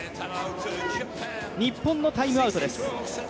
日本のタイムアウトです。